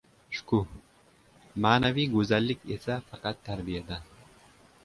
Shukuh, ma’naviy go‘zallik esa faqat tarbiyadan.